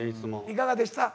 いかがでした？